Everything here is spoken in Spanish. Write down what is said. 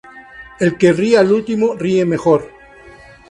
El que ríe el último, ríe mejor